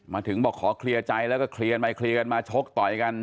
มาถึงบอกขอเคลียร์ใจแล้วก็เคลียร์มาเคลียร์กันมาชกต่อยกัน